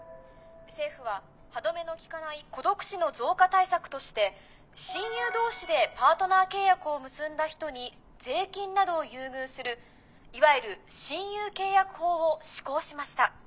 政府は歯止めの利かない孤独死の増加対策として親友同士でパートナー契約を結んだ人に税金などを優遇するいわゆる親友契約法を施行しました。